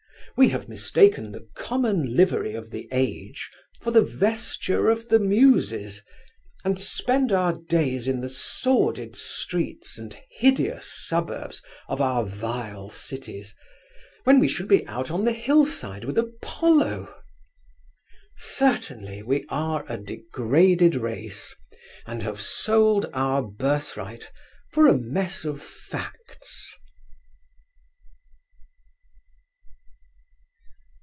We have mistaken the common livery of the age for the vesture of the Muses, and spend our days in the sordid streets and hideous suburbs of our vile cities when we should be out on the hillside with Apollo. Certainly we are a degraded race, and have sold our birthright for a mess of facts.